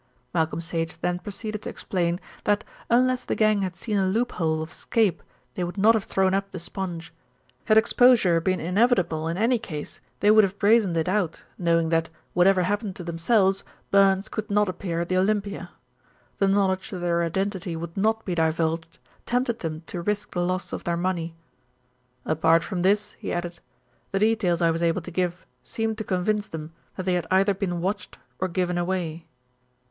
Malcolm Sage then proceeded to explain that unless the gang had seen a loop hole of escape they would not have thrown up the sponge. Had exposure been inevitable in any case, they would have brazened it out, knowing that, whatever happened to themselves, Burns could not appear at the Olympia. The knowledge that their identity would not be divulged tempted them to risk the loss of their money. "Apart from this," he added, "the details I was able to give seemed to convince them that they had either been watched or given away."